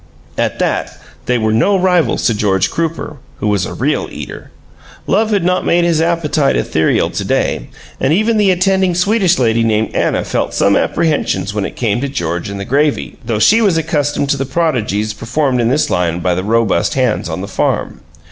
At that, they were no rivals to George Crooper, who was a real eater. Love had not made his appetite ethereal to day, and even the attending Swedish lady named Anna felt some apprehension when it came to George and the gravy, though she was accustomed to the prodigies performed in this line by the robust hands on the farm.